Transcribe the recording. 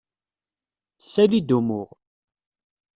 Ssali-d umuɣ.